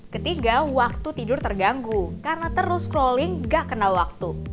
ketiga waktu tidur terganggu karena terus scralling gak kenal waktu